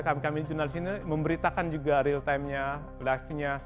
kami kami jurnalis ini memberitakan juga real timenya live nya